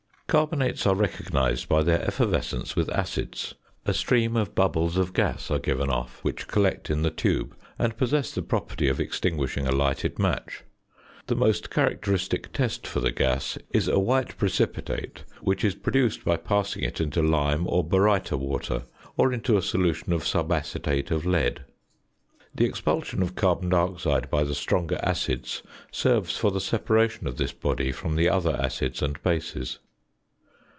Carbonates are recognised by their effervescence with acids a stream of bubbles of gas are given off which collect in the tube, and possess the property of extinguishing a lighted match. The most characteristic test for the gas is a white precipitate, which is produced by passing it into lime or baryta water, or into a solution of subacetate of lead. The expulsion of carbon dioxide by the stronger acids serves for the separation of this body from the other acids and bases.